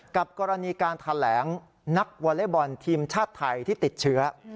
กับกรณีการแถลงนักวอเล็กบอลทีมชาติไทยที่ติดเชื้อ